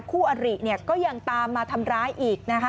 คู่อริเนี่ยก็ยังตามมาทำร้ายอีกนะคะ